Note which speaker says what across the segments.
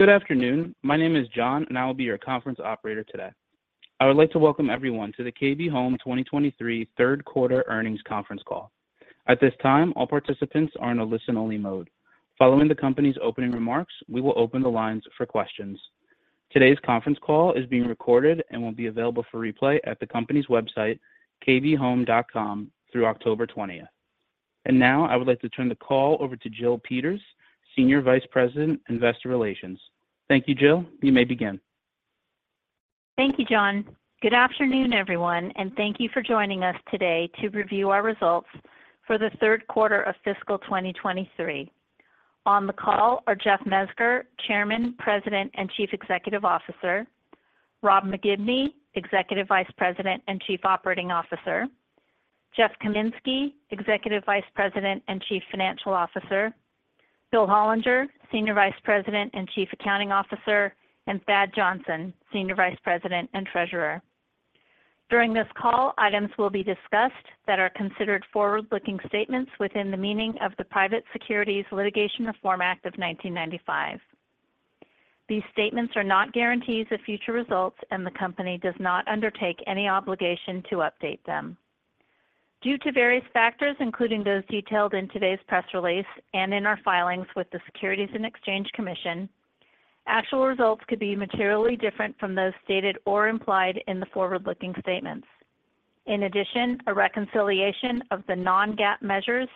Speaker 1: Good afternoon. My name is John, and I will be your conference operator today. I would like to welcome everyone to the KB Home 2023 Third Quarter Earnings Conference Call. At this time, all participants are in a listen-only mode. Following the company's opening remarks, we will open the lines for questions. Today's conference call is being recorded and will be available for replay at the company's website, kbhome.com, through October 20. I would like to turn the call over to Jill Peters, Senior Vice President, Investor Relations. Thank you, Jill. You may begin.
Speaker 2: Thank you, John. Good afternoon, everyone, and thank you for joining us today to review our results for the third quarter of fiscal 2023. On the call are Jeff Mezger, Chairman, President, and Chief Executive Officer, Rob McGibney, Executive Vice President and Chief Operating Officer, Jeff Kaminski, Executive Vice President and Chief Financial Officer, Bill Hollinger, Senior Vice President and Chief Accounting Officer, and Thad Johnson, Senior Vice President and Treasurer. During this call, items will be discussed that are considered forward-looking statements within the meaning of the Private Securities Litigation Reform Act of 1995. These statements are not guarantees of future results, and the company does not undertake any obligation to update them. Due to various factors, including those detailed in today's press release and in our filings with the Securities and Exchange Commission, actual results could be materially different from those stated or implied in the forward-looking statements. In addition, a reconciliation of the non-GAAP measures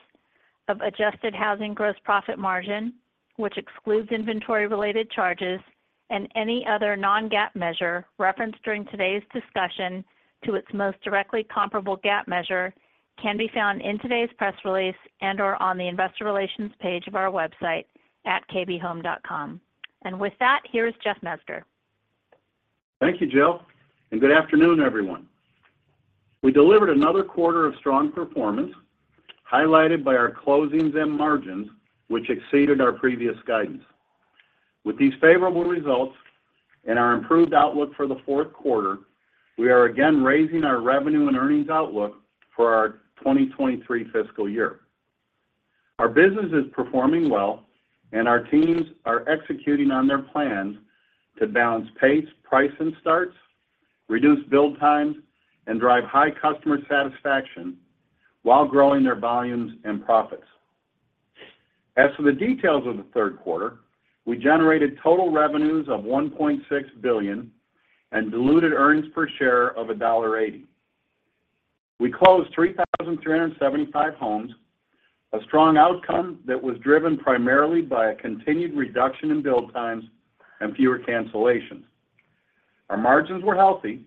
Speaker 2: of adjusted housing gross profit margin, which excludes inventory-related charges and any other non-GAAP measure referenced during today's discussion to its most directly comparable GAAP measure, can be found in today's press release and/or on the investor relations page of our website at kbhome.com. With that, here is Jeff Mezger.
Speaker 3: Thank you, Jill, and good afternoon, everyone. We delivered another quarter of strong performance, highlighted by our closings and margins, which exceeded our previous guidance. With these favorable results and our improved outlook for the fourth quarter, we are again raising our revenue and earnings outlook for our 2023 fiscal year. Our business is performing well, and our teams are executing on their plans to balance pace, price, and starts, reduce build times, and drive high customer satisfaction while growing their volumes and profits. As for the details of the third quarter, we generated total revenues of $1.6 billion and diluted earnings per share of $1.80. We closed 3,375 homes, a strong outcome that was driven primarily by a continued reduction in build times and fewer cancellations. Our margins were healthy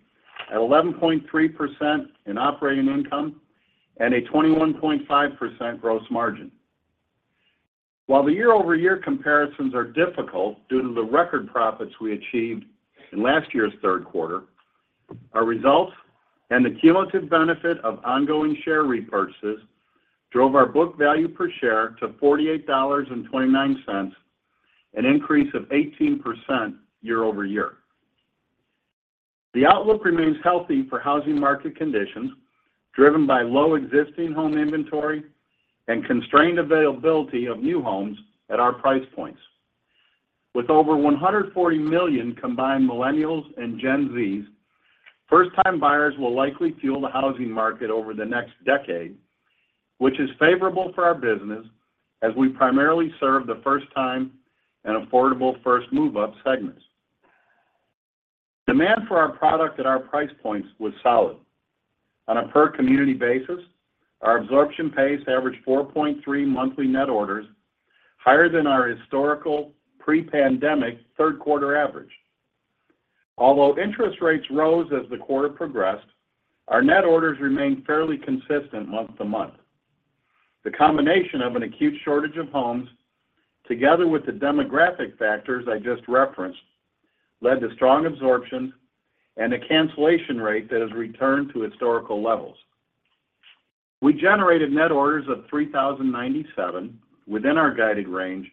Speaker 3: at 11.3% in operating income and a 21.5% gross margin. While the year-over-year comparisons are difficult due to the record profits we achieved in last year's third quarter, our results and the cumulative benefit of ongoing share repurchases drove our book value per share to $48.29, an increase of 18% year-over-year. The outlook remains healthy for housing market conditions, driven by low existing home inventory and constrained availability of new homes at our price points. With over 140 million combined Millennials and Gen Zs, first-time buyers will likely fuel the housing market over the next decade, which is favorable for our business as we primarily serve the first-time and affordable first-move-up segments. Demand for our product at our price points was solid. On a per-community basis, our absorption pace averaged 4.3 monthly net orders, higher than our historical pre-pandemic third-quarter average. Although interest rates rose as the quarter progressed, our net orders remained fairly consistent month-to-month. The combination of an acute shortage of homes, together with the demographic factors I just referenced, led to strong absorption and a cancellation rate that has returned to historical levels. We generated net orders of 3,097 within our guided range,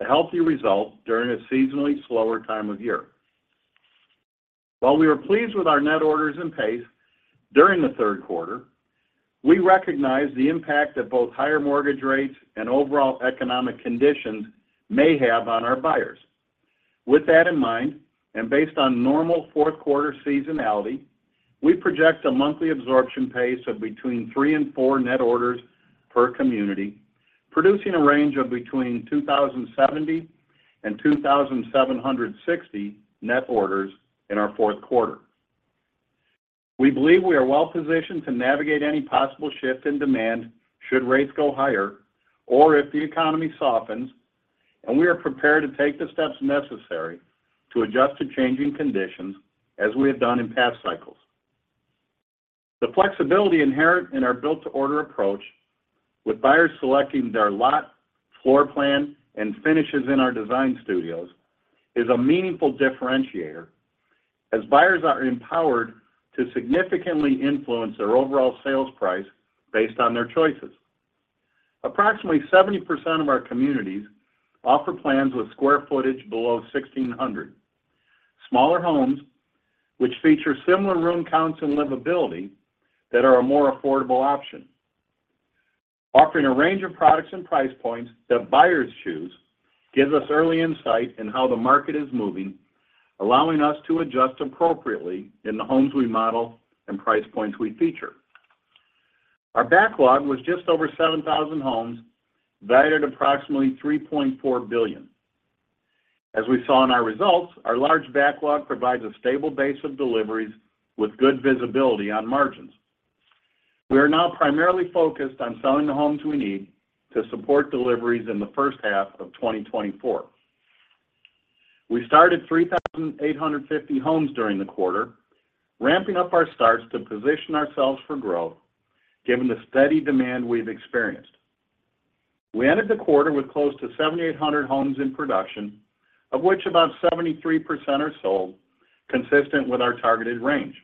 Speaker 3: a healthy result during a seasonally slower time of year. While we were pleased with our net orders and pace during the third quarter, we recognize the impact that both higher mortgage rates and overall economic conditions may have on our buyers. With that in mind, and based on normal fourth-quarter seasonality, we project a monthly absorption pace of between three and four net orders per community, producing a range of between 2,070 and 2,760 net orders in our fourth quarter. We believe we are well positioned to navigate any possible shift in demand should rates go higher or if the economy softens, and we are prepared to take the steps necessary to adjust to changing conditions as we have done in past cycles. The flexibility inherent in our Built-to-Order approach, with buyers selecting their lot, floor plan, and finishes in our design studios, is a meaningful differentiator, as buyers are empowered to significantly influence their overall sales price based on their choices. Approximately 70% of our communities offer plans with square footage below 1,600. Smaller homes, which feature similar room counts and livability that are a more affordable option. Offering a range of products and price points that buyers choose, gives us early insight in how the market is moving, allowing us to adjust appropriately in the homes we model and price points we feature. Our backlog was just over 7,000 homes, valued at approximately $3.4 billion. As we saw in our results, our large backlog provides a stable base of deliveries with good visibility on margins. We are now primarily focused on selling the homes we need to support deliveries in the first half of 2024. We started 3,850 homes during the quarter, ramping up our starts to position ourselves for growth, given the steady demand we've experienced. We ended the quarter with close to 7,800 homes in production, of which about 73% are sold, consistent with our targeted range.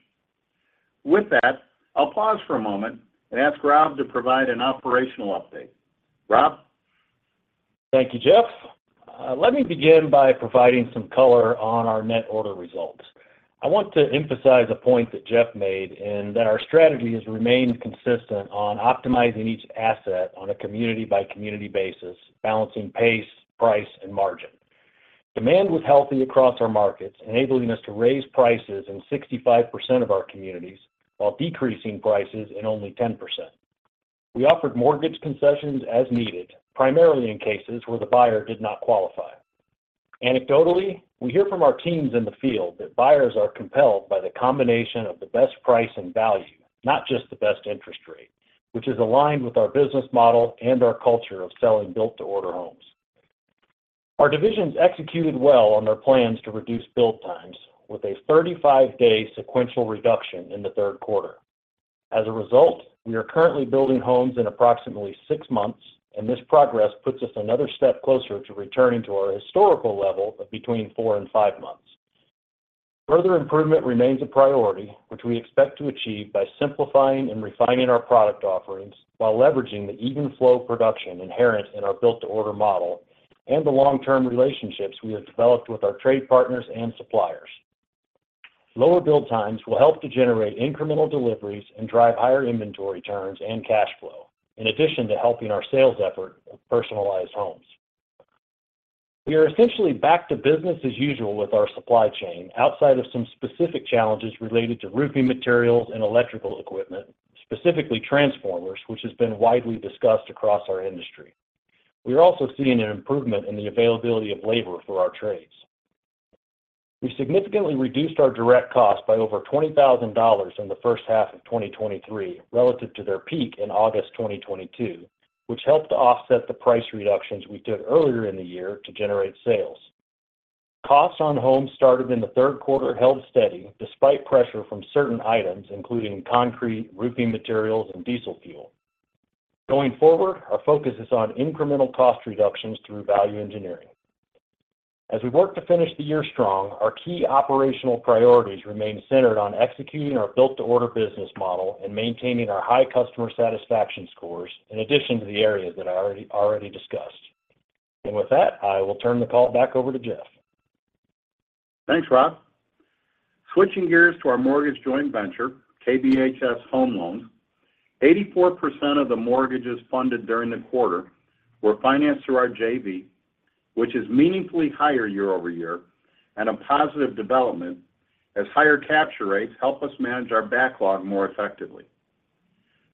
Speaker 3: With that, I'll pause for a moment and ask Rob to provide an operational update. Rob?
Speaker 4: Thank you, Jeff. Let me begin by providing some color on our net order results. I want to emphasize a point that Jeff made, in that our strategy has remained consistent on optimizing each asset on a community-by-community basis, balancing pace, price, and margin. Demand was healthy across our markets, enabling us to raise prices in 65% of our communities, while decreasing prices in only 10%. We offered mortgage concessions as needed, primarily in cases where the buyer did not qualify. Anecdotally, we hear from our teams in the field that buyers are compelled by the combination of the best price and value, not just the best interest rate, which is aligned with our business model and our culture of selling Built-to-Order homes. Our divisions executed well on their plans to reduce build times, with a 35-day sequential reduction in the third quarter. As a result, we are currently building homes in approximately six months, and this progress puts us another step closer to returning to our historical level of between four and five months. Further improvement remains a priority, which we expect to achieve by simplifying and refining our product offerings while leveraging the even flow of production inherent in our Built-to-Order model, and the long-term relationships we have developed with our trade partners and suppliers. Lower build times will help to generate incremental deliveries and drive higher inventory turns and cash flow, in addition to helping our sales effort of personalized homes. We are essentially back to business as usual with our supply chain, outside of some specific challenges related to roofing materials and electrical equipment, specifically transformers, which has been widely discussed across our industry. We are also seeing an improvement in the availability of labor for our trades. We significantly reduced our direct costs by over $20,000 in the first half of 2023, relative to their peak in August 2022, which helped to offset the price reductions we took earlier in the year to generate sales. Costs on homes started in the third quarter held steady, despite pressure from certain items, including concrete, roofing materials, and diesel fuel. Going forward, our focus is on incremental cost reductions through value engineering. As we work to finish the year strong, our key operational priorities remain centered on executing our Built-to-Order business model and maintaining our high customer satisfaction scores, in addition to the areas that I already, already discussed. With that, I will turn the call back over to Jeff.
Speaker 3: Thanks, Rob. Switching gears to our mortgage joint venture, KBHS Home Loans. 84% of the mortgages funded during the quarter were financed through our JV, which is meaningfully higher year-over-year, and a positive development as higher capture rates help us manage our backlog more effectively.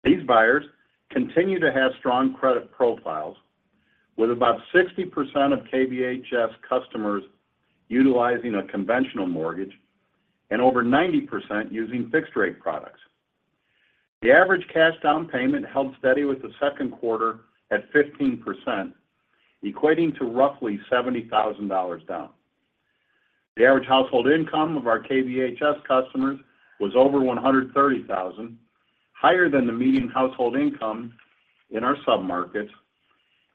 Speaker 3: These buyers continue to have strong credit profiles, with about 60% of KBHS customers utilizing a conventional mortgage and over 90% using fixed-rate products. The average cash down payment held steady with the second quarter at 15%, equating to roughly $70,000 down. The average household income of our KBHS customers was over $130,000, higher than the median household income in our submarkets,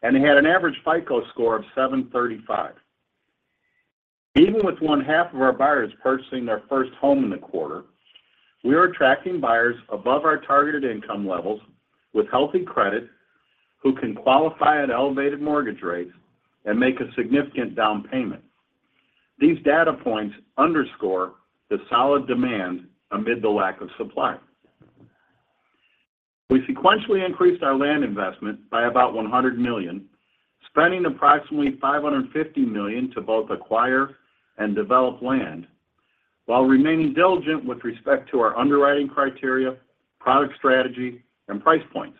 Speaker 3: and they had an average FICO score of 735. Even with one half of our buyers purchasing their first home in the quarter, we are attracting buyers above our targeted income levels with healthy credit, who can qualify at elevated mortgage rates and make a significant down payment. These data points underscore the solid demand amid the lack of supply. We sequentially increased our land investment by about $100 million, spending approximately $550 million to both acquire and develop land, while remaining diligent with respect to our underwriting criteria, product strategy, and price points.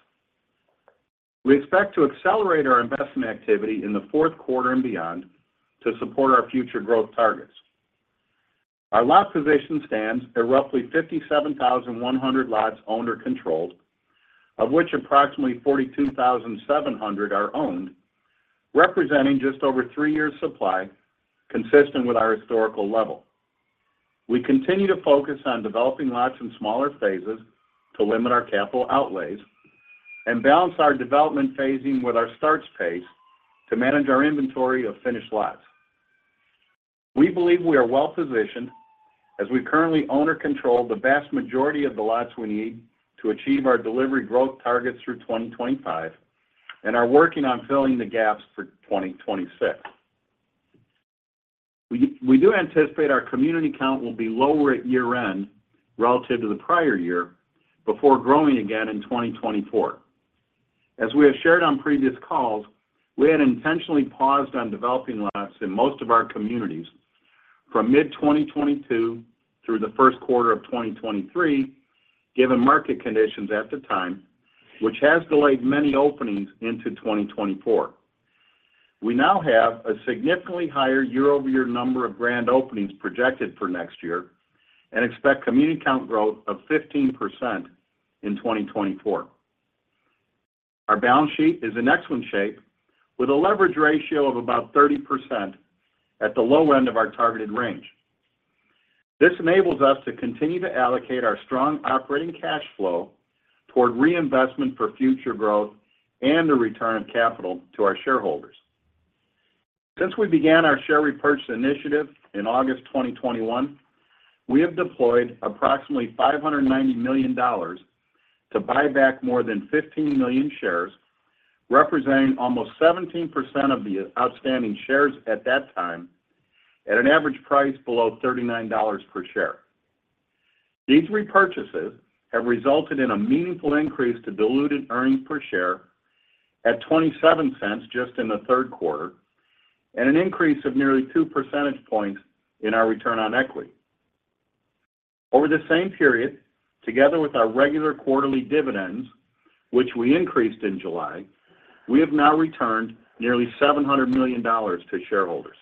Speaker 3: We expect to accelerate our investment activity in the fourth quarter and beyond to support our future growth targets. Our lot position stands at roughly 57,100 lots owned or controlled, of which approximately 42,700 are owned, representing just over three years' supply, consistent with our historical level. We continue to focus on developing lots in smaller phases to limit our capital outlays and balance our development phasing with our starts pace to manage our inventory of finished lots. We believe we are well-positioned, as we currently own or control the vast majority of the lots we need to achieve our delivery growth targets through 2025 and are working on filling the gaps for 2026. We do anticipate our community count will be lower at year-end relative to the prior year, before growing again in 2024. As we have shared on previous calls, we had intentionally paused on developing lots in most of our communities from mid-2022 through the first quarter of 2023, given market conditions at the time, which has delayed many openings into 2024. We now have a significantly higher year-over-year number of grand openings projected for next year and expect community count growth of 15% in 2024. Our balance sheet is in excellent shape, with a leverage ratio of about 30% at the low end of our targeted range. This enables us to continue to allocate our strong operating cash flow toward reinvestment for future growth and the return of capital to our shareholders. Since we began our share repurchase initiative in August 2021, we have deployed approximately $590 million to buy back more than 15 million shares, representing almost 17% of the outstanding shares at that time, at an average price below $39 per share. These repurchases have resulted in a meaningful increase to diluted earnings per share at $0.27 just in the third quarter, and an increase of nearly 2 percentage points in our return on equity. Over the same period, together with our regular quarterly dividends, which we increased in July, we have now returned nearly $700 million to shareholders.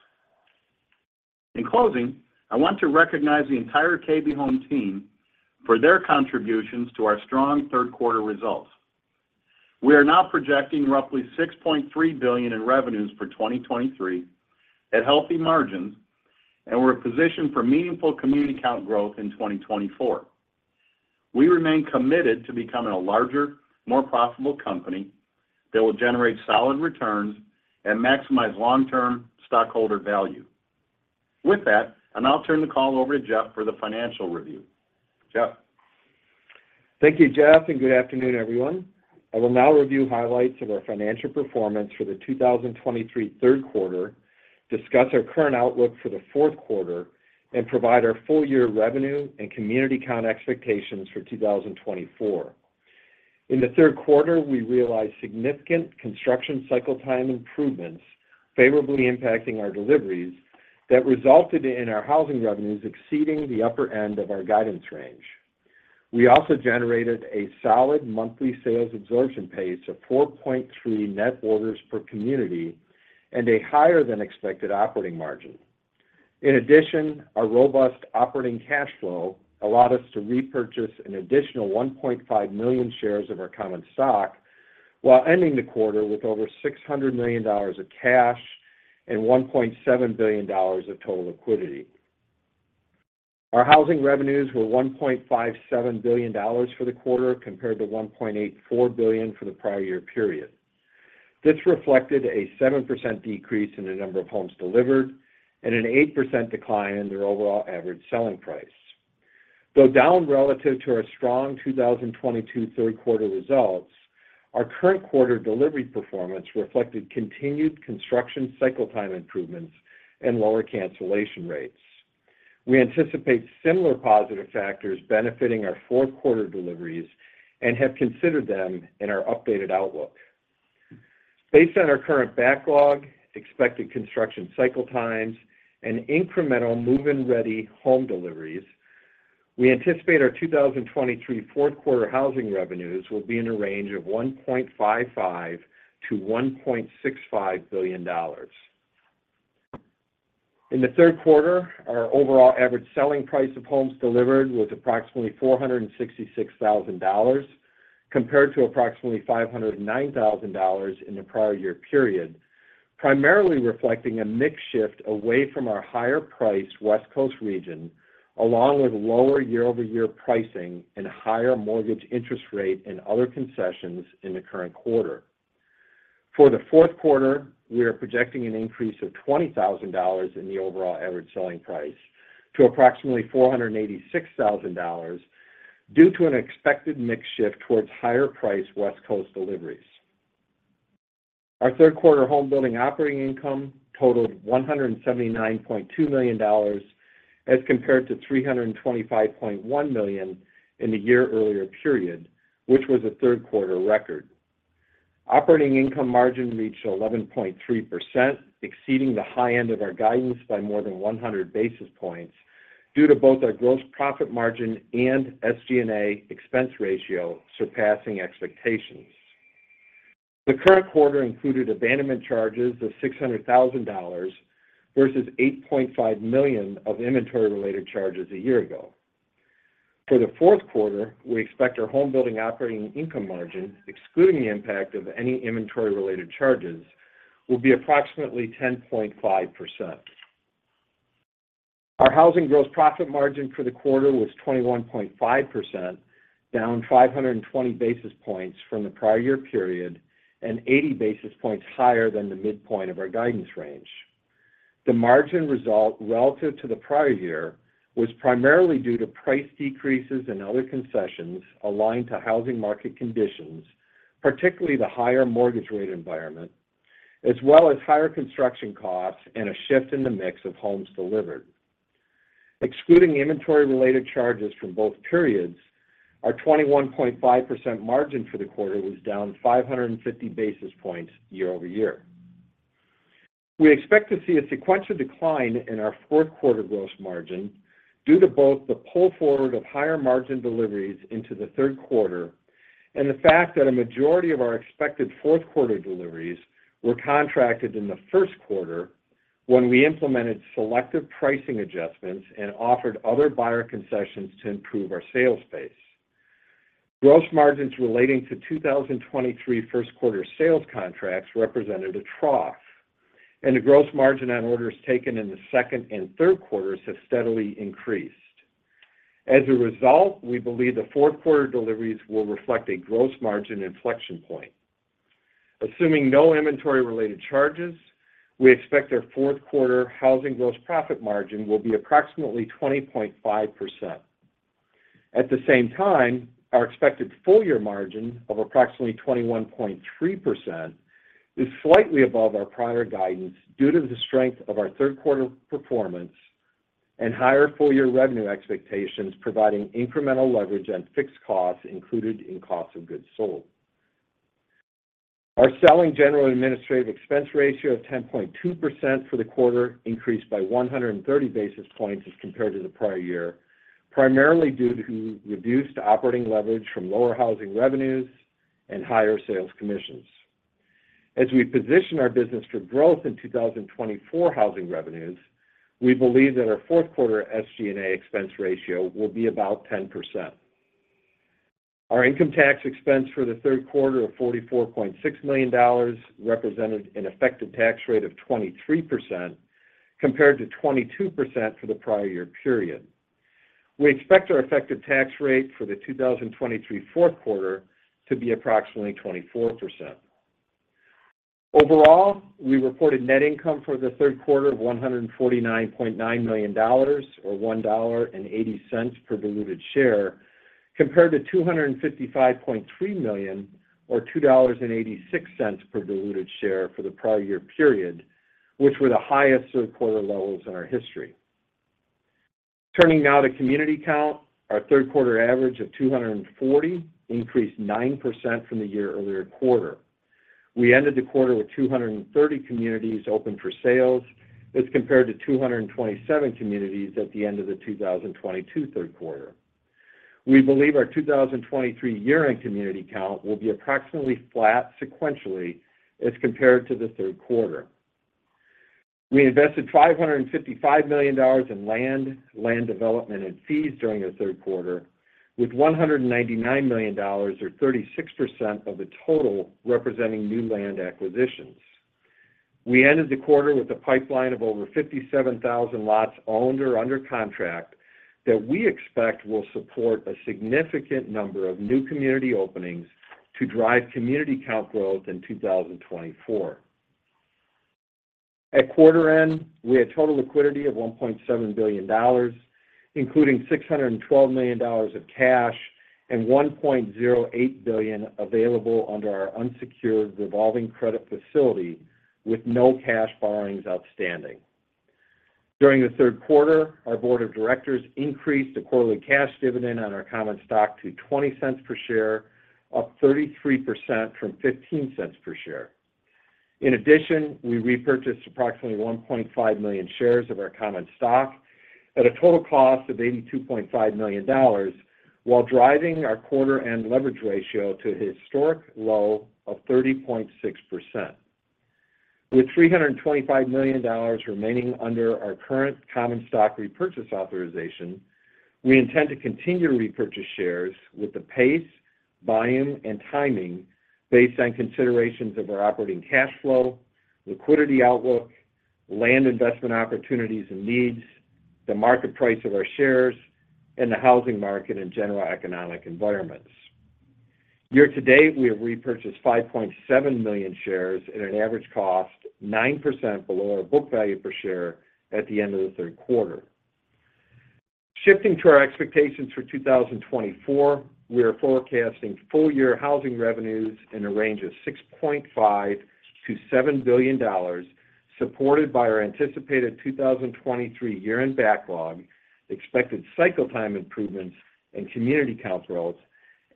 Speaker 3: In closing, I want to recognize the entire KB Home team for their contributions to our strong third quarter results. We are now projecting roughly $6.3 billion in revenues for 2023 at healthy margins, and we're positioned for meaningful community count growth in 2024. We remain committed to becoming a larger, more profitable company that will generate solid returns and maximize long-term stockholder value. With that, I'll now turn the call over to Jeff for the financial review. Jeff?
Speaker 5: Thank you, Jeff, and good afternoon, everyone. I will now review highlights of our financial performance for the 2023 third quarter, discuss our current outlook for the fourth quarter, and provide our full-year revenue and community count expectations for 2024. In the third quarter, we realized significant construction cycle time improvements favorably impacting our deliveries that resulted in our housing revenues exceeding the upper end of our guidance range. We also generated a solid monthly sales absorption pace of 4.3 net orders per community and a higher-than-expected operating margin. In addition, our robust operating cash flow allowed us to repurchase an additional 1.5 million shares of our common stock, while ending the quarter with over $600 million of cash and $1.7 billion of total liquidity. Our housing revenues were $1.57 billion for the quarter, compared to $1.84 billion for the prior year period. This reflected a 7% decrease in the number of homes delivered and an 8% decline in their overall average selling price. Though down relative to our strong 2022 third quarter results, our current quarter delivery performance reflected continued construction cycle time improvements and lower cancellation rates. We anticipate similar positive factors benefiting our fourth quarter deliveries and have considered them in our updated outlook. Based on our current backlog, expected construction cycle times, and incremental move-in-ready home deliveries, we anticipate our 2023 fourth quarter housing revenues will be in a range of $1.55 billion-$1.65 billion. In the third quarter, our overall average selling price of homes delivered was approximately $466,000, compared to approximately $509,000 in the prior year period, primarily reflecting a mix shift away from our higher-priced West Coast region, along with lower year-over-year pricing and higher mortgage interest rate and other concessions in the current quarter. For the fourth quarter, we are projecting an increase of $20,000 in the overall average selling price to approximately $486,000 due to an expected mix shift towards higher-priced West Coast deliveries. Our third quarter homebuilding operating income totaled $179.2 million, as compared to $325.1 million in the year-earlier period, which was a third quarter record. Operating income margin reached 11.3%, exceeding the high end of our guidance by more than 100 basis points due to both our gross profit margin and SG&A expense ratio surpassing expectations. The current quarter included abandonment charges of $600,000 versus $8.5 million of inventory-related charges a year ago. For the fourth quarter, we expect our homebuilding operating income margin, excluding the impact of any inventory-related charges, will be approximately 10.5%. Our housing gross profit margin for the quarter was 21.5%, down 520 basis points from the prior year period and 80 basis points higher than the midpoint of our guidance range. The margin result relative to the prior year was primarily due to price decreases and other concessions aligned to housing market conditions... particularly the higher mortgage rate environment, as well as higher construction costs and a shift in the mix of homes delivered. Excluding inventory-related charges from both periods, our 21.5% margin for the quarter was down 550 basis points year-over-year. We expect to see a sequential decline in our fourth quarter gross margin due to both the pull forward of higher margin deliveries into the third quarter and the fact that a majority of our expected fourth quarter deliveries were contracted in the first quarter, when we implemented selective pricing adjustments and offered other buyer concessions to improve our sales pace. Gross margins relating to 2023 first quarter sales contracts represented a trough, and the gross margin on orders taken in the second and third quarters have steadily increased. As a result, we believe the fourth quarter deliveries will reflect a gross margin inflection point. Assuming no inventory-related charges, we expect our fourth quarter housing gross profit margin will be approximately 20.5%. At the same time, our expected full year margin of approximately 21.3% is slightly above our prior guidance due to the strength of our third quarter performance and higher full-year revenue expectations, providing incremental leverage and fixed costs included in cost of goods sold. Our selling, general, and administrative expense ratio of 10.2% for the quarter increased by 130 basis points as compared to the prior year, primarily due to reduced operating leverage from lower housing revenues and higher sales commissions. As we position our business for growth in 2024 housing revenues, we believe that our fourth quarter SG&A expense ratio will be about 10%. Our income tax expense for the third quarter of $44.6 million represented an effective tax rate of 23%, compared to 22% for the prior year period. We expect our effective tax rate for the 2023 fourth quarter to be approximately 24%. Overall, we reported net income for the third quarter of $149.9 million, or $1.80 per diluted share, compared to $255.3 million, or $2.86 per diluted share for the prior year period, which were the highest third quarter levels in our history. Turning now to community count. Our third quarter average of 240 increased 9% from the year-earlier quarter. We ended the quarter with 230 communities open for sales, as compared to 227 communities at the end of the 2022 third quarter. We believe our 2023 year-end community count will be approximately flat sequentially as compared to the third quarter. We invested $555 million in land, land development, and fees during the third quarter, with $199 million or 36% of the total representing new land acquisitions. We ended the quarter with a pipeline of over 57,000 lots owned or under contract that we expect will support a significant number of new community openings to drive community count growth in 2024. At quarter end, we had total liquidity of $1.7 billion, including $612 million of cash and $1.08 billion available under our unsecured revolving credit facility, with no cash borrowings outstanding. During the third quarter, our board of directors increased the quarterly cash dividend on our common stock to $0.20 per share, up 33% from $0.15 per share. In addition, we repurchased approximately 1.5 million shares of our common stock at a total cost of $82.5 million, while driving our quarter-end leverage ratio to a historic low of 30.6%. With $325 million remaining under our current common stock repurchase authorization, we intend to continue to repurchase shares with the pace, volume, and timing based on considerations of our operating cash flow, liquidity outlook, land investment opportunities and needs, the market price of our shares, and the housing market and general economic environments. Year to date, we have repurchased 5.7 million shares at an average cost 9% below our book value per share at the end of the third quarter. Shifting to our expectations for 2024, we are forecasting full year housing revenues in a range of $6.5 billion-$7 billion, supported by our anticipated 2023 year-end backlog, expected cycle time improvements and community count growth,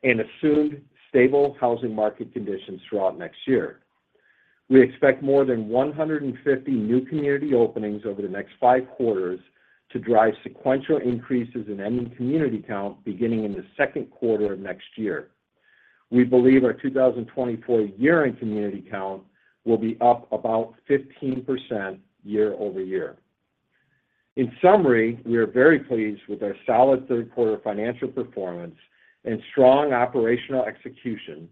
Speaker 5: and assumed stable housing market conditions throughout next year. We expect more than 150 new community openings over the next five quarters to drive sequential increases in ending community count beginning in the second quarter of next year. We believe our 2024 year-end community count will be up about 15% year-over-year. In summary, we are very pleased with our solid third quarter financial performance and strong operational execution,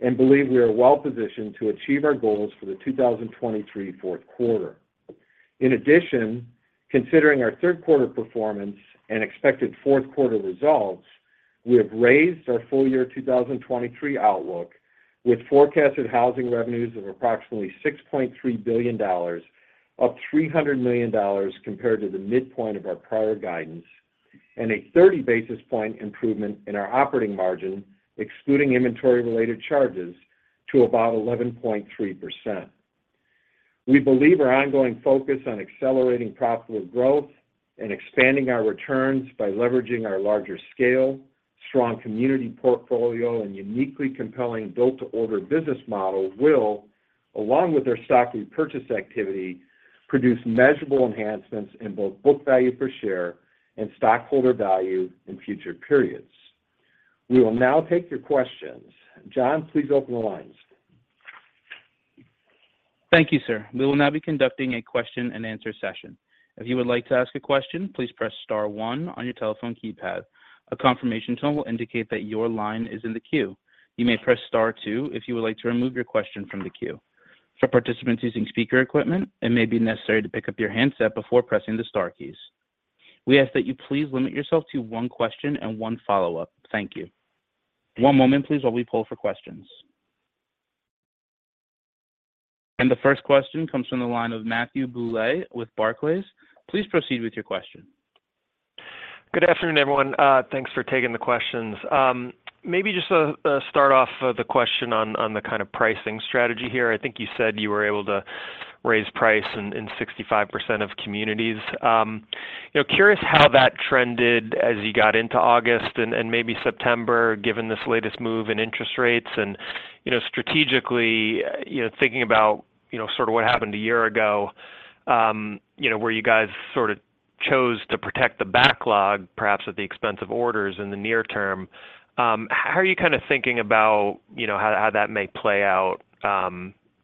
Speaker 5: and believe we are well positioned to achieve our goals for the 2023 fourth quarter. In addition, considering our third quarter performance and expected fourth quarter results, we have raised our full-year 2023 outlook, with forecasted housing revenues of approximately $6.3 billion, up $300 million compared to the midpoint of our prior guidance,...
Speaker 3: and a 30 basis point improvement in our operating margin, excluding inventory-related charges, to about 11.3%. We believe our ongoing focus on accelerating profitable growth and expanding our returns by leveraging our larger scale, strong community portfolio, and uniquely compelling build-to-order business model will, along with our stock repurchase activity, produce measurable enhancements in both book value per share and stockholder value in future periods. We will now take your questions. John, please open the lines.
Speaker 1: Thank you, sir. We will now be conducting a question-and-answer session. If you would like to ask a question, please press star one on your telephone keypad. A confirmation tone will indicate that your line is in the queue. You may press star two if you would like to remove your question from the queue. For participants using speaker equipment, it may be necessary to pick up your handset before pressing the star keys. We ask that you please limit yourself to one question and one follow-up. Thank you. One moment, please, while we poll for questions. The first question comes from the line of Matthew Bouley with Barclays. Please proceed with your question.
Speaker 6: Good afternoon, everyone. Thanks for taking the questions. Maybe just start off the question on, on the kind of pricing strategy here. I think you said you were able to raise price in 65% of communities. You know, curious how that trended as you got into August and maybe September, given this latest move in interest rates and, you know, strategically, you know, thinking about, you know, sort of what happened a year ago, you know, where you guys sort of chose to protect the backlog, perhaps at the expense of orders in the near term. How are you kind of thinking about, you know, how that may play out,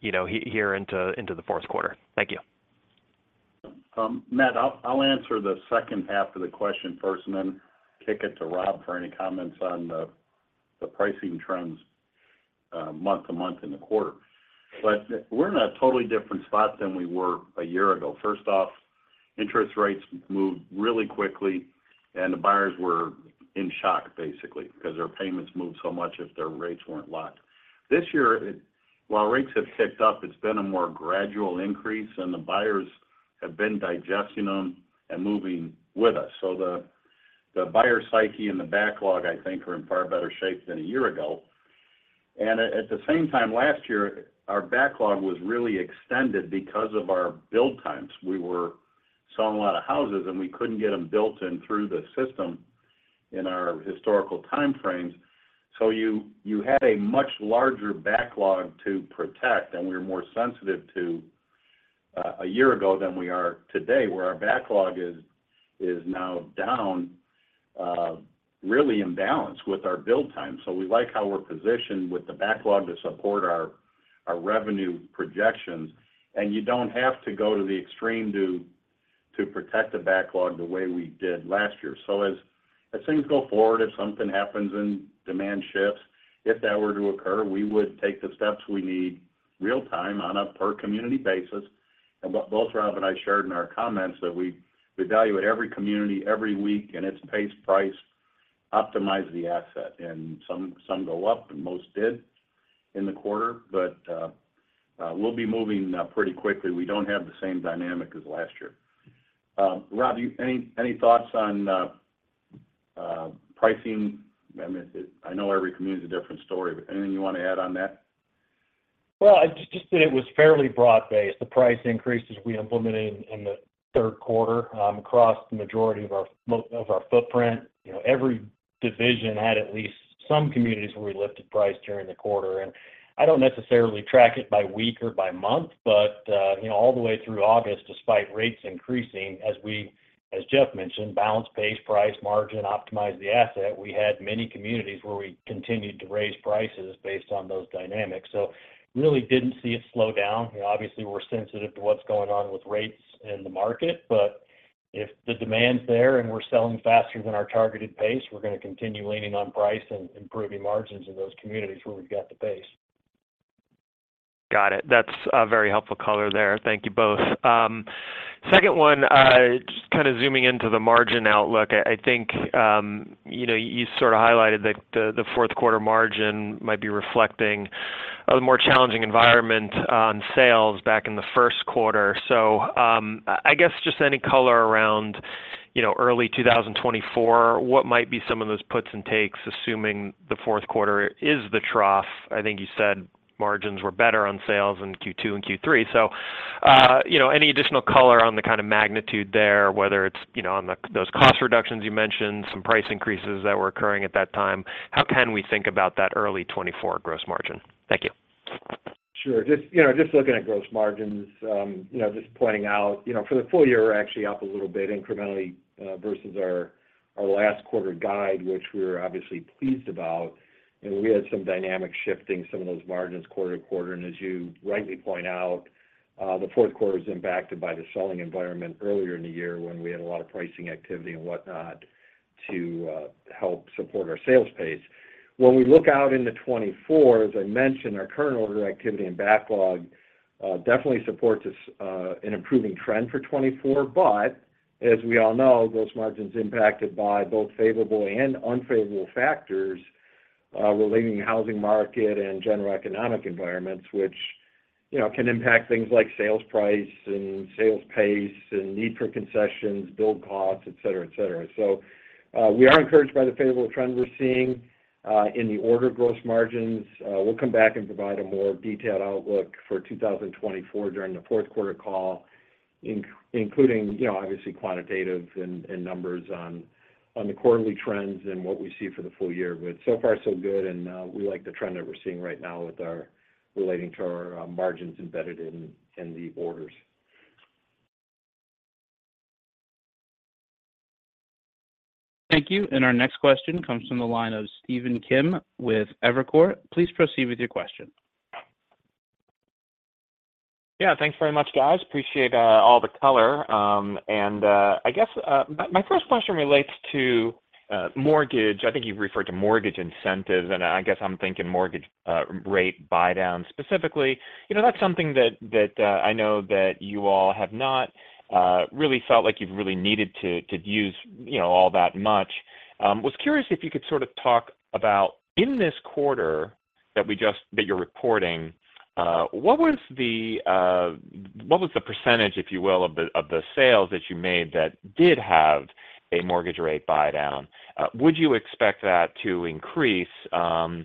Speaker 6: you know, here into the fourth quarter? Thank you.
Speaker 3: Matt, I'll answer the second half of the question first, and then kick it to Rob for any comments on the pricing trends month to month in the quarter. But we're in a totally different spot than we were a year ago. First off, interest rates moved really quickly, and the buyers were in shock, basically, because their payments moved so much if their rates weren't locked. This year, while rates have ticked up, it's been a more gradual increase, and the buyers have been digesting them and moving with us. So the buyer psyche and the backlog, I think, are in far better shape than a year ago. And at the same time last year, our backlog was really extended because of our build times. We were selling a lot of houses, and we couldn't get them built in through the system in our historical time frames. So you had a much larger backlog to protect, and we were more sensitive to a year ago than we are today, where our backlog is now down, really in balance with our build time. So we like how we're positioned with the backlog to support our revenue projections, and you don't have to go to the extreme to protect the backlog the way we did last year. So as things go forward, if something happens and demand shifts, if that were to occur, we would take the steps we need real time on a per community basis. Both Rob and I shared in our comments that we evaluate every community every week, and its pace, price, optimize the asset, and some go up, and most did in the quarter, but we'll be moving pretty quickly. We don't have the same dynamic as last year. Rob, you any thoughts on pricing? I mean, I know every community is a different story, but anything you want to add on that?
Speaker 4: Well, just that it was fairly broad-based, the price increases we implemented in the third quarter across the majority of our footprint. You know, every division had at least some communities where we lifted price during the quarter. And I don't necessarily track it by week or by month, but you know, all the way through August, despite rates increasing, as Jeff mentioned, balance, pace, price, margin, optimize the asset. We had many communities where we continued to raise prices based on those dynamics, so really didn't see it slow down. Obviously, we're sensitive to what's going on with rates in the market, but if the demand's there and we're selling faster than our targeted pace, we're going to continue leaning on price and improving margins in those communities where we've got the pace.
Speaker 6: Got it. That's a very helpful color there. Thank you both. Second one, just kind of zooming into the margin outlook. I think, you know, you sort of highlighted that the fourth quarter margin might be reflecting the more challenging environment on sales back in the first quarter. So, I guess, just any color around, you know, early 2024, what might be some of those puts and takes, assuming the fourth quarter is the trough? I think you said margins were better on sales in Q2 and Q3. So, you know, any additional color on the kind of magnitude there, whether it's, you know, on those cost reductions, you mentioned some price increases that were occurring at that time. How can we think about that early 2024 gross margin? Thank you.
Speaker 5: Sure. Just, you know, just looking at gross margins, you know, just pointing out, you know, for the full year, we're actually up a little bit incrementally versus our, our last quarter guide, which we're obviously pleased about. And we had some dynamic shifting, some of those margins quarter to quarter. And as you rightly point out, the fourth quarter is impacted by the selling environment earlier in the year when we had a lot of pricing activity and whatnot to help support our sales pace. When we look out into 2024, as I mentioned, our current order activity and backlog definitely supports us an improving trend for 2024. But as we all know, gross margin is impacted by both favorable and unfavorable factors relating to housing market and general economic environments, which...... You know, can impact things like sales price and sales pace and need for concessions, build costs, et cetera, et cetera. So, we are encouraged by the favorable trends we're seeing in the order gross margins. We'll come back and provide a more detailed outlook for 2024 during the fourth quarter call, including, you know, obviously quantitative and numbers on the quarterly trends and what we see for the full year. But so far so good, and we like the trend that we're seeing right now with our relating to our margins embedded in the orders.
Speaker 1: Thank you. And our next question comes from the line of Stephen Kim with Evercore. Please proceed with your question.
Speaker 7: Yeah, thanks very much, guys. Appreciate all the color. And I guess my first question relates to mortgage. I think you've referred to mortgage incentives, and I guess I'm thinking mortgage rate buydowns specifically. You know, that's something that I know that you all have not really felt like you've really needed to use, you know, all that much. Was curious if you could sort of talk about in this quarter that we just—that you're reporting, what was the percentage, if you will, of the sales that you made that did have a mortgage rate buydown? Would you expect that to increase, and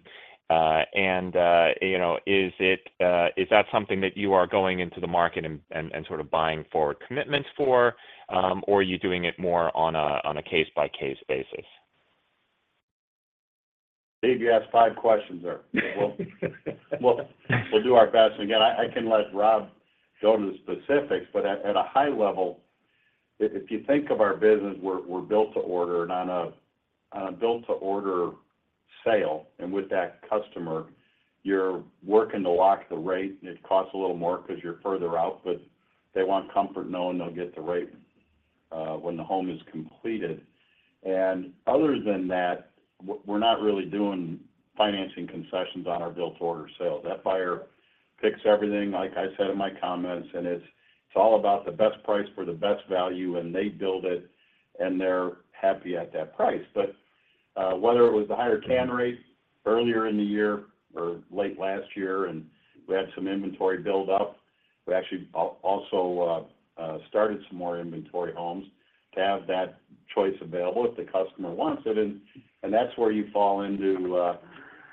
Speaker 7: you know, is it, is that something that you are going into the market and sort of buying for commitments for, or are you doing it more on a case-by-case basis?
Speaker 3: Steve, you asked five questions there. We'll do our best. And again, I can let Rob go into the specifics, but at a high level, if you think of our business, we're built to order. And on a Built-to-Order sale, and with that customer, you're working to lock the rate, and it costs a little more 'cause you're further out, but they want comfort knowing they'll get the rate when the home is completed. And other than that, we're not really doing financing concessions on our Built-to-Order sale. That buyer picks everything, like I said in my comments, and it's all about the best price for the best value, and they build it, and they're happy at that price. But whether it was the higher cancel rate earlier in the year or late last year, and we had some inventory build up, we actually also started some more inventory homes to have that choice available if the customer wants it. And that's where you fall into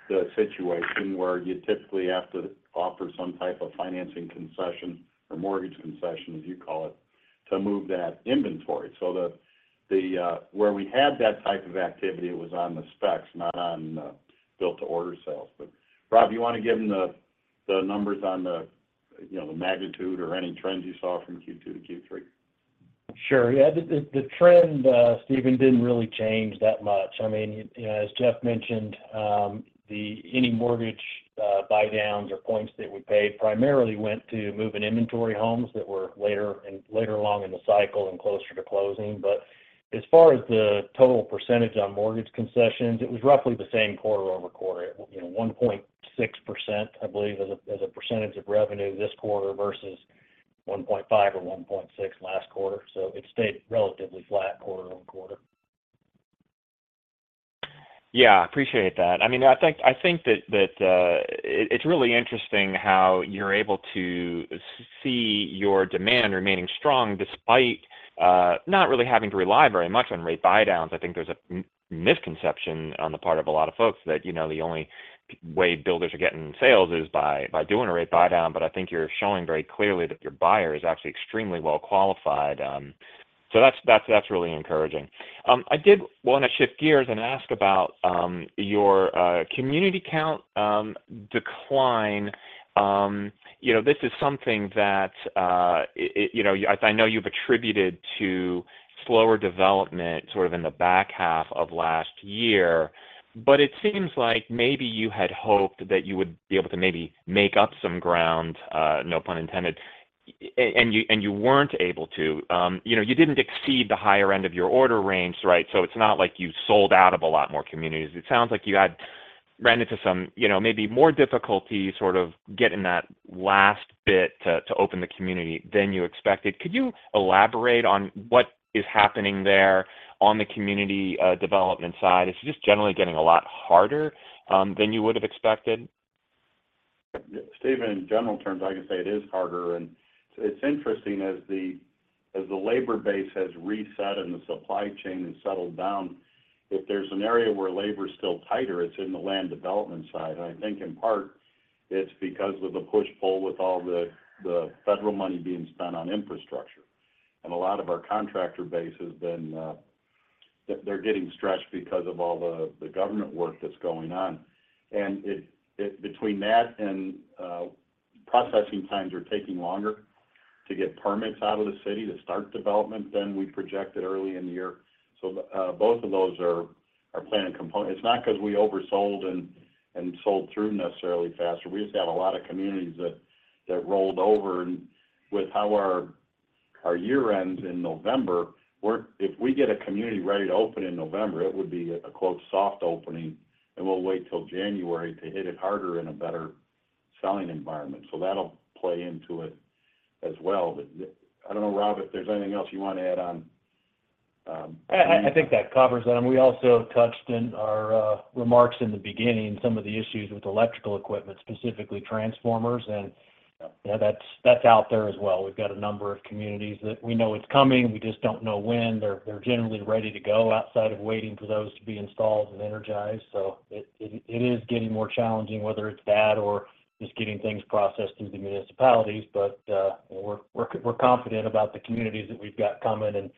Speaker 3: the situation where you typically have to offer some type of financing concession or mortgage concession, as you call it, to move that inventory. So where we had that type of activity was on the specs, not on Built-to-Order sales. But Rob, you want to give them the numbers on the, you know, the magnitude or any trends you saw from Q2 to Q3?
Speaker 4: Sure. Yeah, the trend, Stephen, didn't really change that much. I mean, you know, as Jeff mentioned, any mortgage buydowns or points that we paid primarily went to moving inventory homes that were later and later along in the cycle and closer to closing. But as far as the total percentage on mortgage concessions, it was roughly the same quarter-over-quarter. You know, 1.6%, I believe, as a percentage of revenue this quarter versus 1.5% or 1.6% last quarter. So it stayed relatively flat quarter-over-quarter.
Speaker 7: Yeah, appreciate that. I mean, I think that it's really interesting how you're able to see your demand remaining strong despite not really having to rely very much on rate buydowns. I think there's a misconception on the part of a lot of folks that, you know, the only way builders are getting sales is by doing a rate buydown, but I think you're showing very clearly that your buyer is actually extremely well qualified. So that's really encouraging. I did want to shift gears and ask about your community count decline. You know, this is something that it... You know, as I know, you've attributed to slower development sort of in the back half of last year, but it seems like maybe you had hoped that you would be able to maybe make up some ground, no pun intended, and you weren't able to. You know, you didn't exceed the higher end of your order range, right? So it's not like you sold out of a lot more communities. It sounds like you had ran into some, you know, maybe more difficulty sort of getting that last bit to open the community than you expected. Could you elaborate on what is happening there on the community development side? Is it just generally getting a lot harder than you would have expected?
Speaker 3: Steven, in general terms, I can say it is harder. And it's interesting, as the labor base has reset and the supply chain has settled down, if there's an area where labor is still tighter, it's in the land development side. And I think in part, it's because of the push-pull with all the federal money being spent on infrastructure. And a lot of our contractor base has been, they're getting stretched because of all the government work that's going on. And between that and, processing times are taking longer to get permits out of the city to start development than we projected early in the year. So, both of those are planning components. It's not 'cause we oversold and sold through necessarily faster. We just had a lot of communities that rolled over. With how our year ends in November, we're, if we get a community ready to open in November, it would be a quote, "soft opening," and we'll wait till January to hit it harder in a better selling environment. So that'll play into it as well. But I don't know, Rob, if there's anything else you want to add on?
Speaker 4: I think that covers that. And we also touched in our remarks in the beginning some of the issues with electrical equipment, specifically transformers, and yeah, that's out there as well. We've got a number of communities that we know it's coming, we just don't know when. They're generally ready to go outside of waiting for those to be installed and energized. So it is getting more challenging, whether it's that or just getting things processed through the municipalities. But, we're confident about the communities that we've got coming, and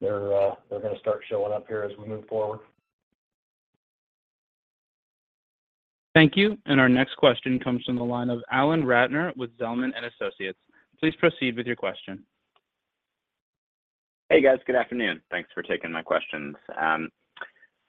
Speaker 4: they're going to start showing up here as we move forward.
Speaker 1: Thank you. And our next question comes from the line of Alan Ratner with Zelman & Associates. Please proceed with your question.
Speaker 8: Hey, guys. Good afternoon. Thanks for taking my questions.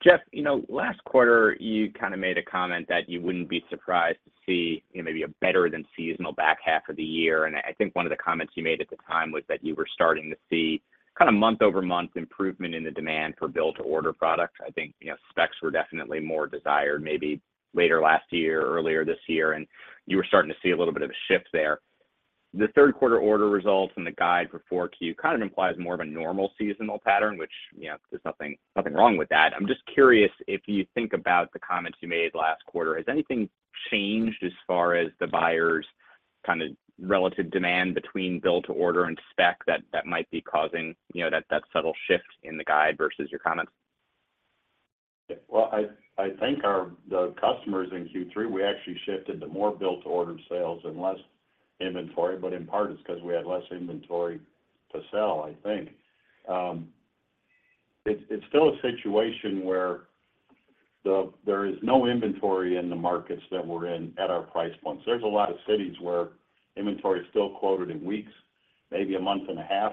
Speaker 8: Jeff, you know, last quarter, you kind of made a comment that you wouldn't be surprised to see, you know, maybe a better-than-seasonal back half of the year. And I think one of the comments you made at the time was that you were starting to see kind of month-over-month improvement in the demand for build-to-order products. I think, you know, specs were definitely more desired maybe later last year or earlier this year, and you were starting to see a little bit of a shift there. The third quarter order results and the guide for 4Q kind of implies more of a normal seasonal pattern, which, you know, there's nothing, nothing wrong with that. I'm just curious if you think about the comments you made last quarter, has anything changed as far as the buyers' kind of relative demand between Build-to-Order and spec, that might be causing, you know, that subtle shift in the guide versus your comments?
Speaker 3: Well, I think our customers in Q3, we actually shifted to more Built-to-Order sales and less inventory, but in part, it's because we had less inventory to sell, I think. It's still a situation where there is no inventory in the markets that we're in at our price points. There's a lot of cities where inventory is still quoted in weeks, maybe a month and a half.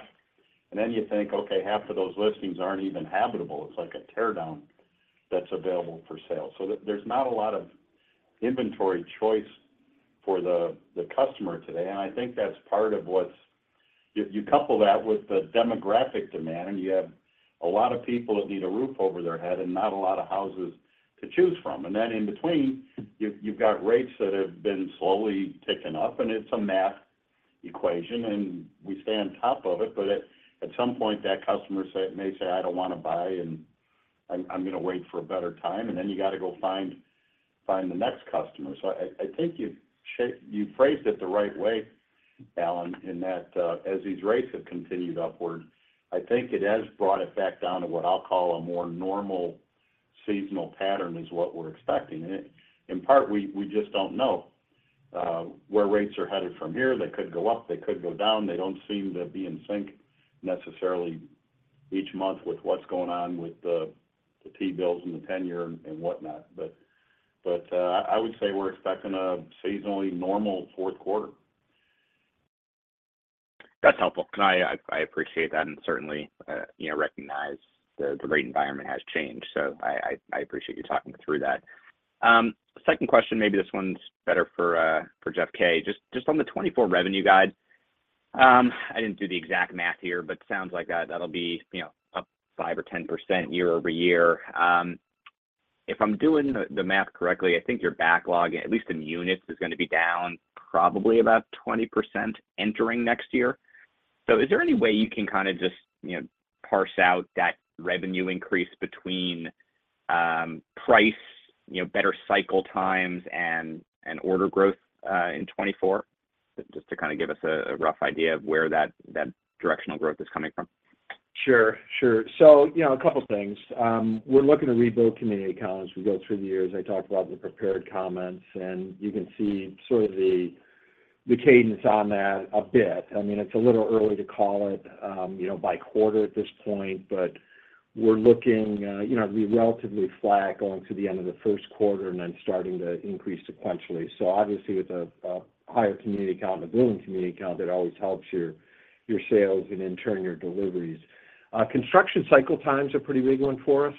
Speaker 3: You think, "Okay, half of those listings aren't even habitable." It's like a tear down that's available for sale. There is not a lot of inventory choice for the customer today, and I think that's part of what's... If you couple that with the demographic demand, you have a lot of people that need a roof over their head and not a lot of houses to choose from. And then in between, you've got rates that have been slowly ticking up, and it's a math equation, and we stay on top of it, but at some point, that customer may say, "I don't want to buy, and I'm going to wait for a better time." And then you got to go find the next customer. So I think you've phrased it the right way, Alan, in that, as these rates have continued upward, I think it has brought it back down to what I'll call a more normal seasonal pattern, is what we're expecting. And in part, we just don't know where rates are headed from here. They could go up, they could go down. They don't seem to be in sync necessarily each month with what's going on with the T-bills and the 10-year and whatnot. But, I would say we're expecting a seasonally normal fourth quarter.
Speaker 8: That's helpful, and I appreciate that and certainly, you know, recognize the rate environment has changed. So I appreciate you talking through that. Second question, maybe this one's better for Jeff K. Just on the 2024 revenue guide, I didn't do the exact math here, but it sounds like that'll be up 5% or 10% year-over-year. If I'm doing the math correctly, I think your backlog, at least in units, is going to be down probably about 20% entering next year. So is there any way you can kind of just parse out that revenue increase between price, better cycle times, and order growth in 2024? Just to kind of give us a rough idea of where that directional growth is coming from.
Speaker 5: Sure, sure. So, you know, a couple things. We're looking to rebuild community accounts as we go through the years. I talked about the prepared comments, and you can see sort of the, the cadence on that a bit. I mean, it's a little early to call it, you know, by quarter at this point, but we're looking, you know, to be relatively flat going through the end of the first quarter and then starting to increase sequentially. So obviously, with a higher community count and a building community count, that always helps your, your sales and in turn, your deliveries. Construction cycle times are pretty big one for us.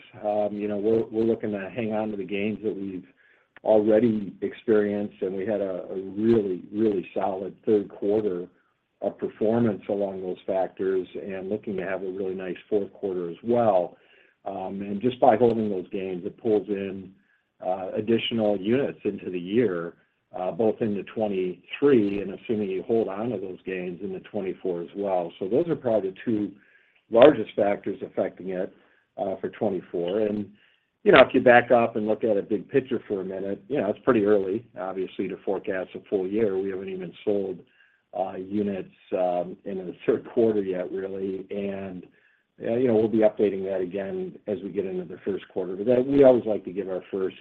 Speaker 5: You know, we're, we're looking to hang on to the gains that we've already experienced, and we had a really, really solid third quarter of performance along those factors and looking to have a really nice fourth quarter as well. And just by holding those gains, it pulls in additional units into the year, both into 2023 and assuming you hold on to those gains, into 2024 as well. So those are probably the two largest factors affecting it for 2024. And, you know, if you back up and look at a big picture for a minute, you know, it's pretty early, obviously, to forecast a full year. We haven't even sold units into the third quarter yet, really. And, you know, we'll be updating that again as we get into the first quarter. But that we always like to give our first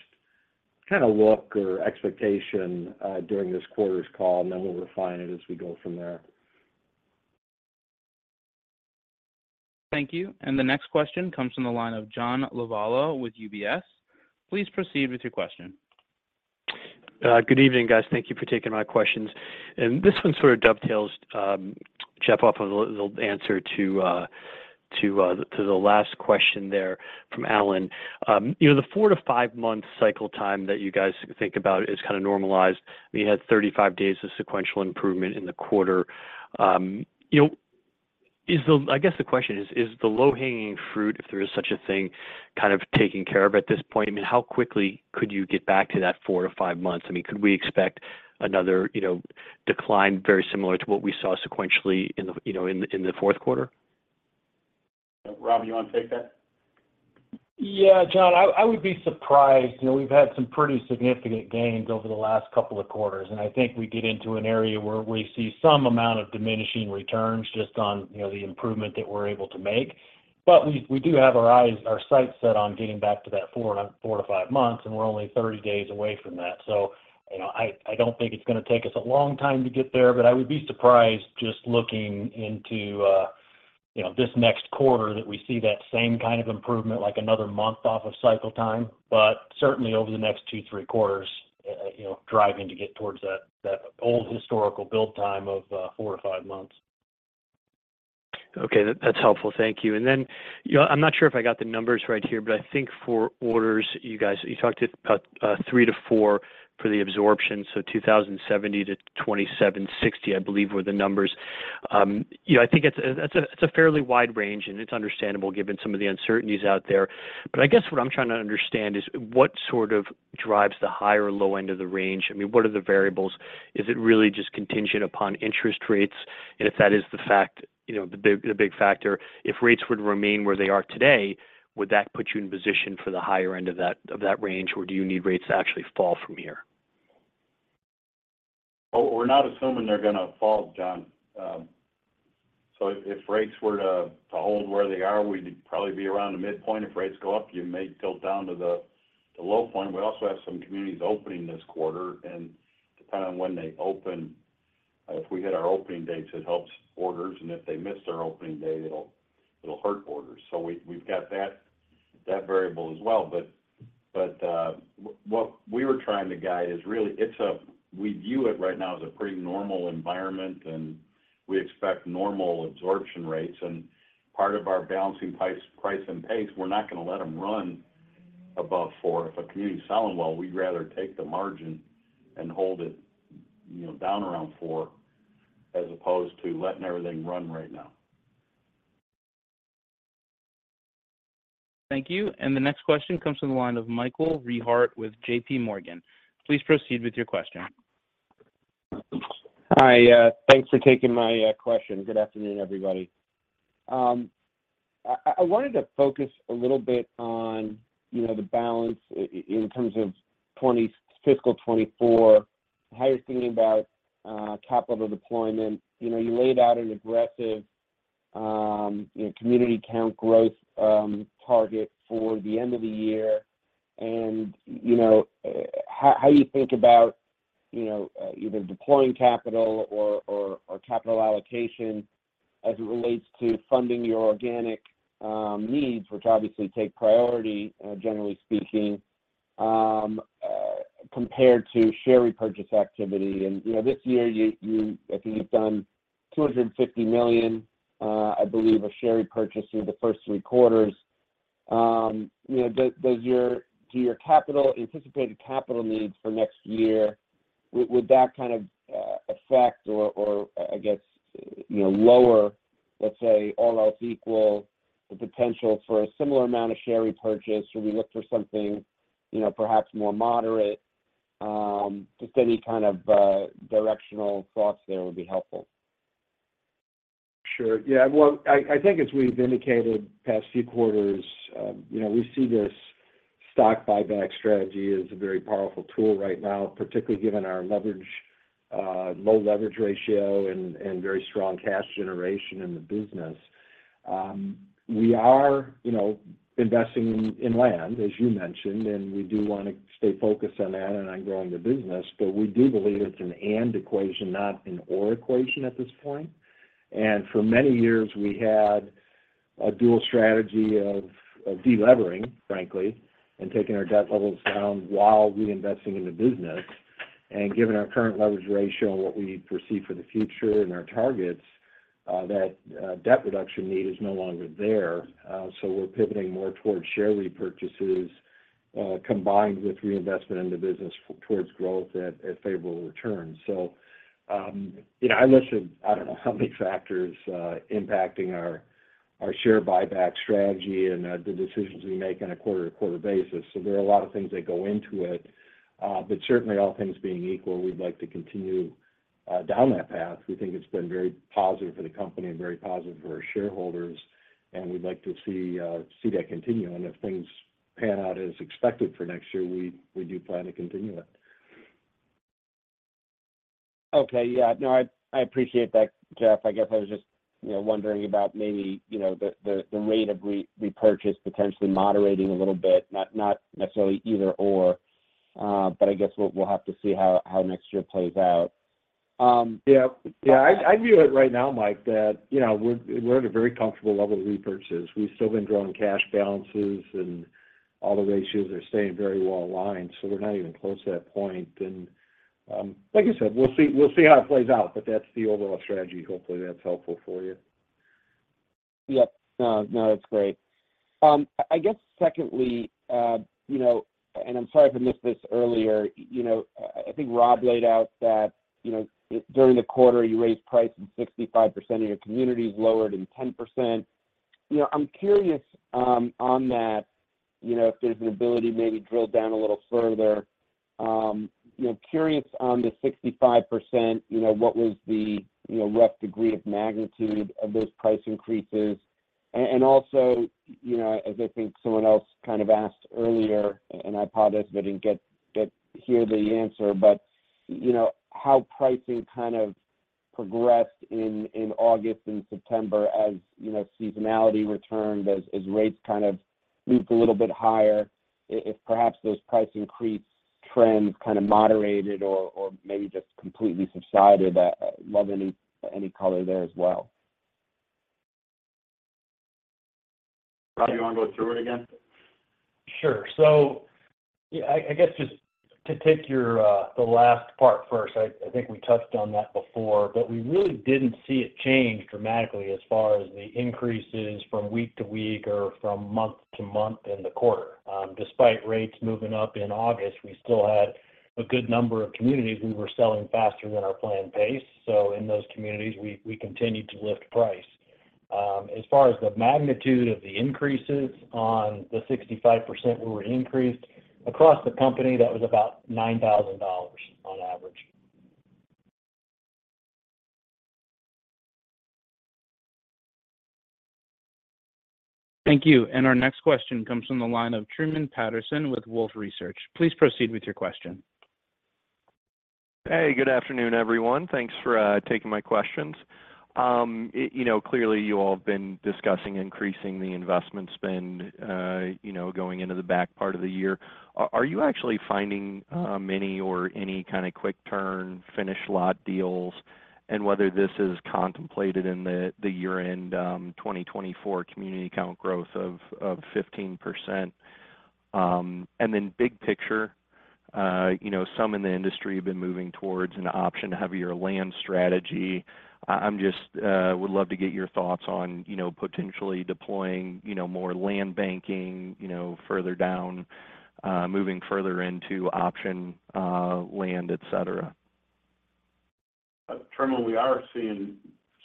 Speaker 5: kind of look or expectation during this quarter's call, and then we'll refine it as we go from there.
Speaker 1: Thank you. The next question comes from the line of John Lovallo with UBS. Please proceed with your question.
Speaker 9: Good evening, guys. Thank you for taking my questions. This one sort of dovetails, Jeff, off of the answer to the last question there from Alan. You know, the 4-5 month cycle time that you guys think about is kind of normalized. I mean, you had 35 days of sequential improvement in the quarter. You know, is the-- I guess the question is: Is the low-hanging fruit, if there is such a thing, kind of taken care of at this point? I mean, how quickly could you get back to that 4-5 months? I mean, could we expect another, you know, decline very similar to what we saw sequentially in the, you know, in the fourth quarter?
Speaker 1: Rob, you want to take that?
Speaker 4: Yeah, John, I would be surprised. You know, we've had some pretty significant gains over the last couple of quarters, and I think we get into an area where we see some amount of diminishing returns just on, you know, the improvement that we're able to make. But we do have our sights set on getting back to that 4-5 months, and we're only 30 days away from that. You know, I don't think it's gonna take us a long time to get there, but I would be surprised just looking into, you know, this next quarter that we see that same kind of improvement, like another month off of cycle time. Certainly over the next two, three quarters, you know, driving to get towards that old historical build time of 4-5 months.
Speaker 9: Okay, that's helpful. Thank you. And then, you know, I'm not sure if I got the numbers right here, but I think for orders, you guys, you talked about 3-4 for the absorption, so 2,070-2,760, I believe, were the numbers. You know, I think it's a-- that's a, it's a fairly wide range, and it's understandable given some of the uncertainties out there. But I guess what I'm trying to understand is, what sort of drives the high or low end of the range? I mean, what are the variables? Is it really just contingent upon interest rates? If that is the fact, you know, the big, the big factor, if rates were to remain where they are today, would that put you in position for the higher end of that, of that range, or do you need rates to actually fall from here?
Speaker 3: Oh, we're not assuming they're gonna fall, John. If rates were to hold where they are, we'd probably be around the midpoint. If rates go up, you may tilt down to the low point. We also have some communities opening this quarter, and depending on when they open, if we hit our opening dates, it helps orders, and if they miss their opening day, it'll hurt orders. We’ve got that variable as well. What we were trying to guide is really it's a... We view it right now as a pretty normal environment, and we expect normal absorption rates. Part of our balancing price, price and pace, we're not gonna let them run above 4. If a community is selling well, we'd rather take the margin and hold it, you know, down around four, as opposed to letting everything run right now.
Speaker 1: Thank you. The next question comes from the line of Michael Rehaut with J.P. Morgan. Please proceed with your question.
Speaker 10: Hi, thanks for taking my question. Good afternoon, everybody. I wanted to focus a little bit on, you know, the balance in terms of fiscal 2024, how you're thinking about capital deployment. You know, you laid out an aggressive community count growth target for the end of the year. And, you know, how you think about, you know, either deploying capital or capital allocation as it relates to funding your organic needs, which obviously take priority, generally speaking, compared to share repurchase activity. And, you know, this year, you, I think you've done $250 million, I believe, of share repurchase through the first three quarters. You know, does your... Do your anticipated capital needs for next year, would that kind of affect or I guess, you know, lower, let's say, all else equal, the potential for a similar amount of share repurchase, or we look for something, you know, perhaps more moderate? Just any kind of directional thoughts there would be helpful.
Speaker 5: Sure. Yeah. Well, I think as we've indicated the past few quarters, you know, we see this stock buyback strategy as a very powerful tool right now, particularly given our leverage, low leverage ratio and very strong cash generation in the business. We are, you know, investing in land, as you mentioned, and we do want to stay focused on that and on growing the business, but we do believe it's an and equation, not an or equation at this point. And for many years, we had a dual strategy of delevering, frankly, and taking our debt levels down while reinvesting in the business. And given our current leverage ratio and what we foresee for the future and our targets, that debt reduction need is no longer there. So we're pivoting more towards share repurchases, combined with reinvestment in the business towards growth at favorable returns. So, you know, I listed, I don't know, how many factors impacting our share buyback strategy and the decisions we make on a quarter-to-quarter basis. So there are a lot of things that go into it, but certainly all things being equal, we'd like to continue down that path. We think it's been very positive for the company and very positive for our shareholders, and we'd like to see that continue. And if things pan out as expected for next year, we do plan to continue it.
Speaker 10: Okay. Yeah. No, I appreciate that, Jeff. I guess I was just, you know, wondering about maybe, you know, the rate of repurchase potentially moderating a little bit, not necessarily either/or, but I guess we'll have to see how next year plays out.
Speaker 5: Yeah. Yeah, I, I view it right now, Mike, that, you know, we're, we're at a very comfortable level of repurchases. We've still been growing cash balances, and all the ratios are staying very well aligned, so we're not even close to that point. Like I said, we'll see, we'll see how it plays out, but that's the overall strategy. Hopefully, that's helpful for you.
Speaker 10: Yep. No, no, it's great. I guess secondly, you know, and I'm sorry if I missed this earlier, you know, I, I think Rob laid out that, you know, during the quarter, you raised price in 65% of your communities, lowered in 10%.... You know, I'm curious, on that, you know, if there's an ability to maybe drill down a little further. You know, curious on the 65%, you know, what was the, you know, rough degree of magnitude of those price increases? And, and also, you know, as I think someone else kind of asked earlier, and I apologize if I didn't get to hear the answer, but you know, how pricing kind of progressed in, in August and September, as, you know, seasonality returned, as, as rates kind of moved a little bit higher. If perhaps those price increase trends kind of moderated or maybe just completely subsided. I'd love any color there as well.
Speaker 3: Rob, you want to go through it again?
Speaker 4: Sure. So yeah, I guess just to take your, the last part first, I think we touched on that before, but we really didn't see it change dramatically as far as the increases from week to week or from month to month in the quarter. Despite rates moving up in August, we still had a good number of communities we were selling faster than our planned pace. So in those communities, we continued to lift price. As far as the magnitude of the increases on the 65% we were increased, across the company, that was about $9,000 on average.
Speaker 1: Thank you. And our next question comes from the line of Truman Patterson with Wolfe Research. Please proceed with your question.
Speaker 11: Hey, good afternoon, everyone. Thanks for taking my questions. You know, clearly, you all have been discussing increasing the investment spend, you know, going into the back part of the year. Are you actually finding many or any kind of quick turn, finished lot deals, and whether this is contemplated in the year-end 2024 community count growth of 15%? And then big picture, you know, some in the industry have been moving towards an option-heavier land strategy. I'm just would love to get your thoughts on, you know, potentially deploying, you know, more land banking, you know, further down, moving further into option land, et cetera?
Speaker 3: Truman, we are seeing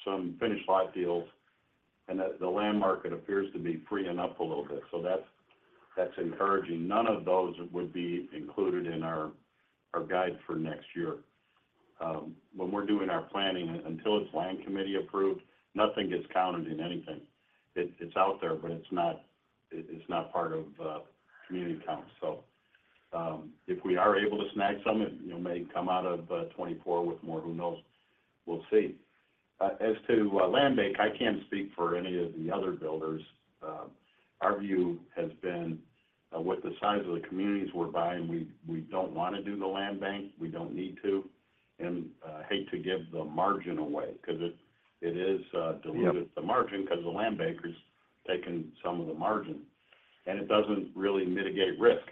Speaker 3: some finished lot deals, and that the land market appears to be freeing up a little bit, so that's, that's encouraging. None of those would be included in our, our guide for next year. When we're doing our planning, until it's Land Committee approved, nothing gets counted in anything. It's, it's out there, but it's not, it's not part of, community count. So, if we are able to snag some, it, you may come out of, 2024 with more, who knows? We'll see. As to, land bank, I can't speak for any of the other builders. Our view has been, with the size of the communities we're buying, we, we don't want to do the land bank. We don't need to, and, hate to give the margin away because it, it is, diluting-
Speaker 11: Yep
Speaker 3: -the margin because the land bank is taking some of the margin, and it doesn't really mitigate risk.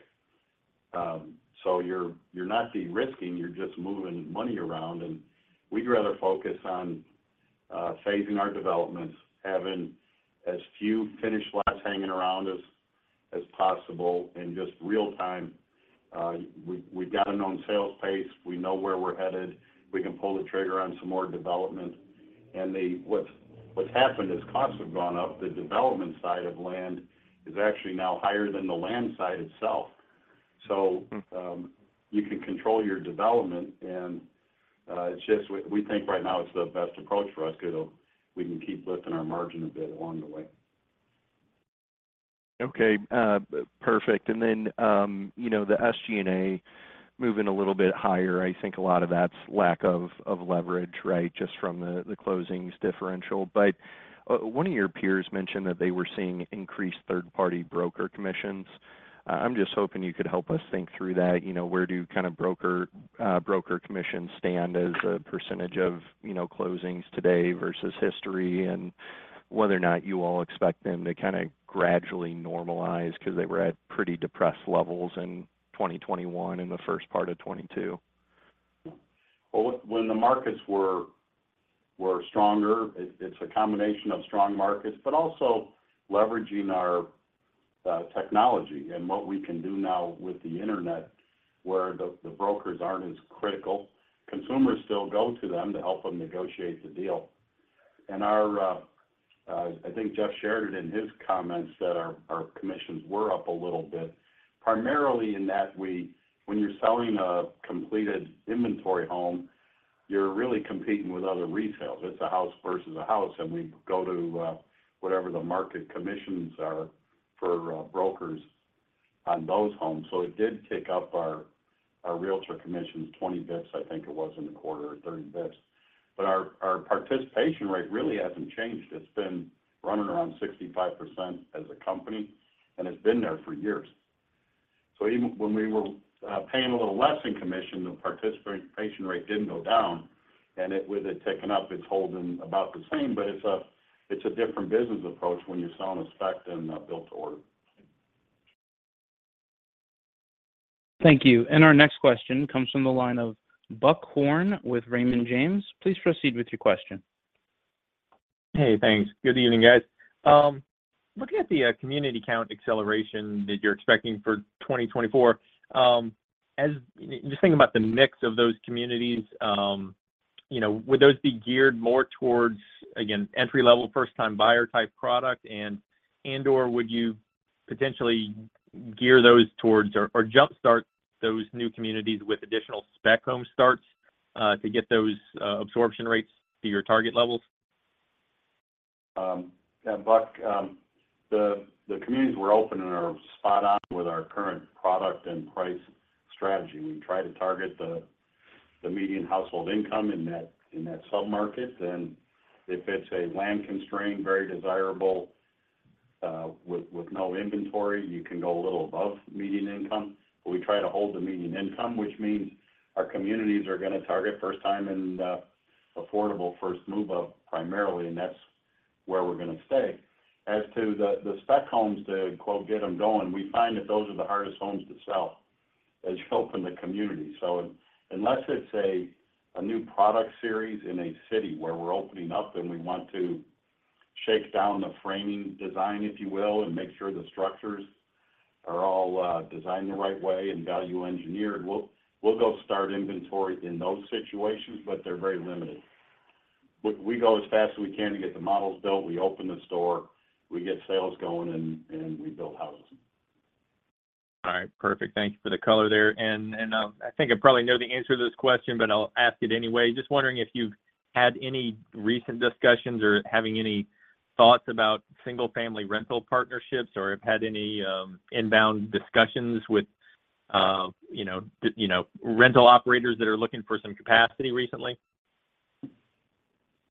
Speaker 3: So you're, you're not de-risking, you're just moving money around, and we'd rather focus on phasing our developments, having as few finished lots hanging around as possible and just real-time. We've got a known sales pace, we know where we're headed. We can pull the trigger on some more development. What's happened is costs have gone up. The development side of land is actually now higher than the land acquisition side itself.
Speaker 11: Mm.
Speaker 3: So, you can control your development, and it's just we think right now it's the best approach for us because we can keep lifting our margin a bit along the way.
Speaker 11: Okay, perfect. And then, you know, the SG&A moving a little bit higher, I think a lot of that's lack of, of leverage, right? Just from the, the closings differential. But, one of your peers mentioned that they were seeing increased third-party broker commissions. I'm just hoping you could help us think through that. You know, where do kind of broker, broker commissions stand as-
Speaker 3: Sure...
Speaker 11: a percentage of, you know, closings today versus history, and whether or not you all expect them to kind of gradually normalize? Because they were at pretty depressed levels in 2021 and the first part of 2022.
Speaker 3: Well, when the markets were, were stronger, it's a combination of strong markets, but also leveraging our technology and what we can do now with the internet, where the brokers aren't as critical. Consumers still go to them to help them negotiate the deal. I think Jeff shared it in his comments, that our commissions were up a little bit, primarily in that when you're selling a completed inventory home, you're really competing with other resales. It's a house versus a house, and we go to whatever the market commissions are for brokers on those homes. So it did tick up our realtor commissions 20 basis points, I think it was in the quarter, or 30 basis points. Our participation rate really hasn't changed. It's been running around 65% as a company, and it's been there for years. Even when we were paying a little less in commission, the participation rate didn't go down, and with it ticking up, it's holding about the same. It's a different business approach when you're selling a spec than a build-to-order.
Speaker 1: Thank you. Our next question comes from the line of Buck Horne with Raymond James. Please proceed with your question.
Speaker 12: Hey, thanks. Good evening, guys. Looking at the community count acceleration that you're expecting for 2024, just thinking about the mix of those communities,... you know, would those be geared more towards, again, entry-level, first-time buyer type product? And, and/or would you potentially gear those towards or, or jumpstart those new communities with additional spec home starts, to get those, absorption rates to your target levels?
Speaker 3: And Buck, the communities we're opening are spot on with our current product and price strategy. We try to target the median household income in that submarket, and if it's a land-constrained, very desirable, with no inventory, you can go a little above median income. But we try to hold the median income, which means our communities are going to target first time and affordable first move-up, primarily, and that's where we're going to stay. As to the spec homes, to quote, "get them going," we find that those are the hardest homes to sell as you open the community. So unless it's a new product series in a city where we're opening up, and we want to shake down the framing design, if you will, and make sure the structures are all designed the right way and value-engineered, we'll go start inventory in those situations, but they're very limited. We go as fast as we can to get the models built, we open the store, we get sales going, and we build houses.
Speaker 12: All right. Perfect. Thank you for the color there. I think I probably know the answer to this question, but I'll ask it anyway. Just wondering if you've had any recent discussions or having any thoughts about single-family rental partnerships, or have had any inbound discussions with, you know, you know, rental operators that are looking for some capacity recently?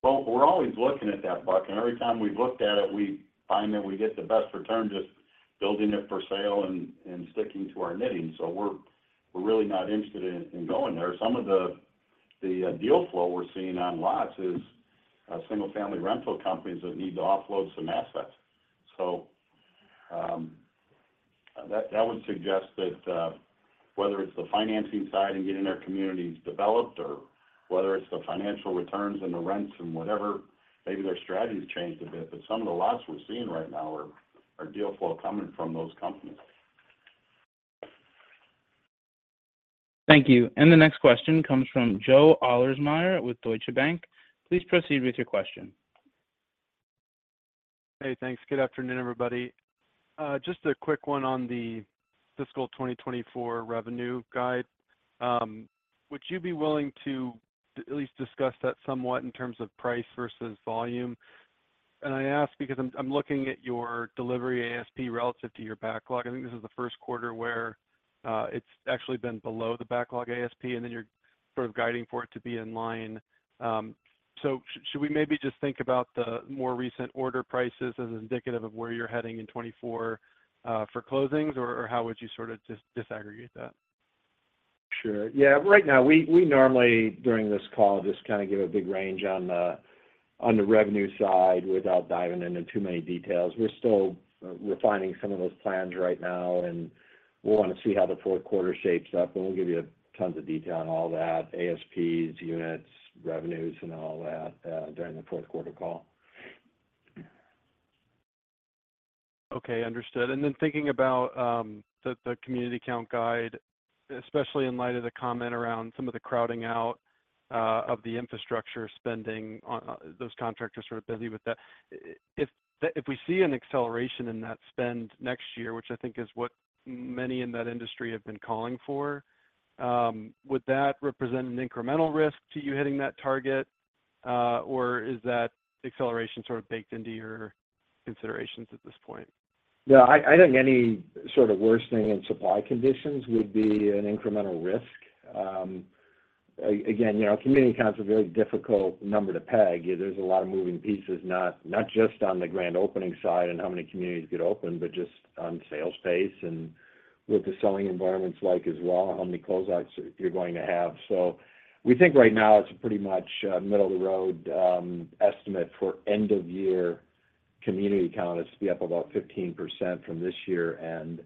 Speaker 3: Well, we're always looking at that, Buck, and every time we've looked at it, we find that we get the best return just building it for sale and sticking to our knitting. So we're really not interested in going there. Some of the deal flow we're seeing on lots is single-family rental companies that need to offload some assets. So that would suggest that whether it's the financing side and getting their communities developed, or whether it's the financial returns and the rents and whatever, maybe their strategy has changed a bit, but some of the lots we're seeing right now are deal flow coming from those companies.
Speaker 1: Thank you. The next question comes from Joe Ahlersmeyer with Deutsche Bank. Please proceed with your question.
Speaker 13: Hey, thanks. Good afternoon, everybody. Just a quick one on the fiscal 2024 revenue guide. Would you be willing to at least discuss that somewhat in terms of price versus volume? And I ask because I'm looking at your delivery ASP relative to your backlog. I think this is the first quarter where it's actually been below the backlog ASP, and then you're sort of guiding for it to be in line. So should we maybe just think about the more recent order prices as indicative of where you're heading in 2024 for closings, or how would you sort of disaggregate that?
Speaker 3: Sure. Yeah. Right now, we normally, during this call, just kind of give a big range on the revenue side without diving into too many details. We're still refining some of those plans right now, and we'll want to see how the fourth quarter shapes up, and we'll give you tons of detail on all that, ASPs, units, revenues, and all that, during the fourth quarter call.
Speaker 13: Okay, understood. And then thinking about the community count guide, especially in light of the comment around some of the crowding out of the infrastructure spending on... Those contractors are busy with that. If we see an acceleration in that spend next year, which I think is what many in that industry have been calling for, would that represent an incremental risk to you hitting that target, or is that acceleration sort of baked into your considerations at this point?
Speaker 5: Yeah, I, I think any sort of worsening in supply conditions would be an incremental risk. Again, you know, community count is a very difficult number to peg. There's a lot of moving pieces, not, not just on the grand opening side and how many communities get open, but just on sales pace and what the selling environment's like as well, how many closeouts you're going to have. So we think right now it's a pretty much, middle-of-the-road, estimate for end-of-year community count is to be up about 15% from this year, and,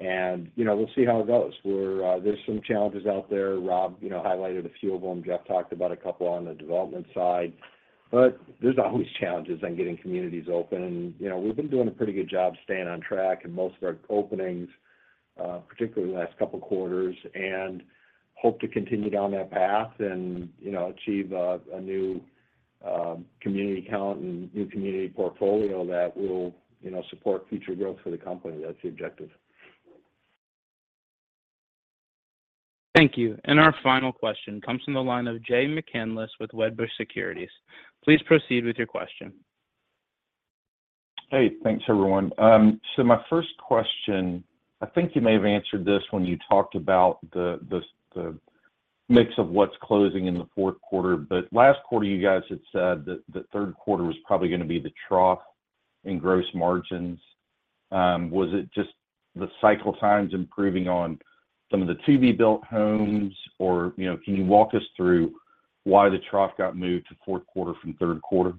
Speaker 5: and, you know, we'll see how it goes. We're... There's some challenges out there. Rob, you know, highlighted a few of them. Jeff talked about a couple on the development side, but there's always challenges on getting communities open. You know, we've been doing a pretty good job staying on track in most of our openings, particularly the last couple of quarters, and hope to continue down that path and, you know, achieve a new community count and new community portfolio that will, you know, support future growth for the company. That's the objective.
Speaker 1: Thank you. And our final question comes from the line of Jay McCanless with Wedbush Securities. Please proceed with your question.
Speaker 14: Hey, thanks, everyone. So my first question, I think you may have answered this when you talked about the mix of what's closing in the fourth quarter, but last quarter, you guys had said that the third quarter was probably going to be the trough in gross margins. Was it just the cycle times improving on some of the to-be-built homes, or, you know, can you walk us through why the trough got moved to fourth quarter from third quarter?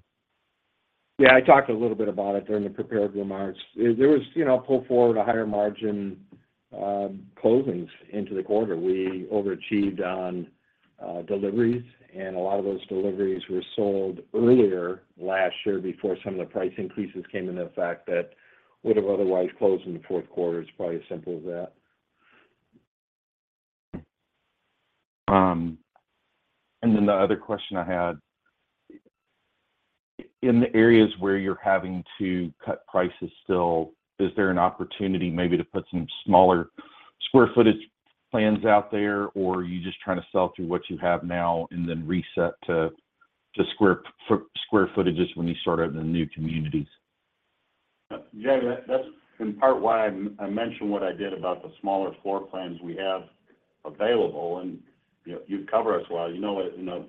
Speaker 5: Yeah, I talked a little bit about it during the prepared remarks. There was, you know, pull forward, a higher margin, closings into the quarter. We overachieved on deliveries, and a lot of those deliveries were sold earlier last year before some of the price increases came into effect that would have otherwise closed in the fourth quarter. It's probably as simple as that....
Speaker 14: and then the other question I had, in the areas where you're having to cut prices still, is there an opportunity maybe to put some smaller square footage plans out there? Or are you just trying to sell through what you have now and then reset to square footages when you start out in the new communities?
Speaker 3: Yeah, that, that's in part why I, I mentioned what I did about the smaller floor plans we have available. And, you know, you cover us well. You know, in a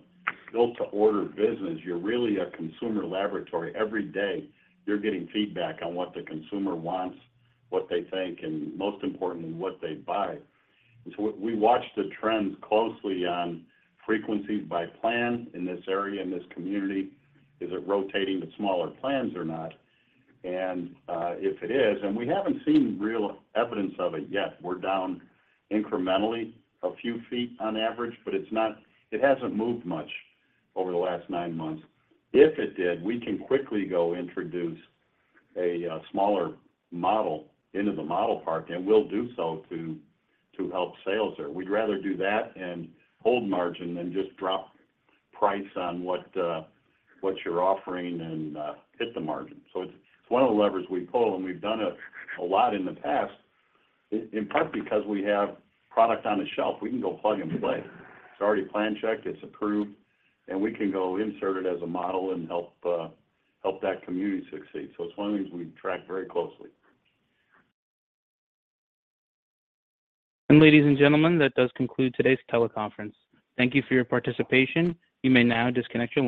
Speaker 3: Built-to-Order business, you're really a consumer laboratory. Every day, you're getting feedback on what the consumer wants, what they think, and most importantly, what they buy. And so we, we watch the trends closely on frequency by plan in this area, in this community. Is it rotating to smaller plans or not? And, if it is, and we haven't seen real evidence of it yet, we're down incrementally a few feet on average, but it's not, it hasn't moved much over the last nine months. If it did, we can quickly go introduce a smaller model into the model park, and we'll do so to, to help sales there. We'd rather do that and hold margin than just drop price on what what you're offering and hit the margin. So it's one of the levers we pull, and we've done it a lot in the past, in part because we have product on the shelf. We can go plug and play. It's already plan-checked, it's approved, and we can go insert it as a model and help help that community succeed. So it's one of the things we track very closely.
Speaker 1: Ladies and gentlemen, that does conclude today's teleconference. Thank you for your participation. You may now disconnect your line.